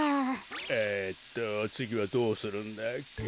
えっとつぎはどうするんだっけ？